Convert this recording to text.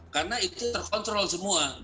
karena itu terkontrol semua